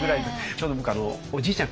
ちょうど僕おじいちゃん